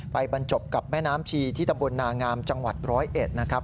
บรรจบกับแม่น้ำชีที่ตำบลนางามจังหวัดร้อยเอ็ดนะครับ